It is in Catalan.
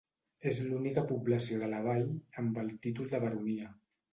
És l'única població de la Vall amb el títol de Baronia.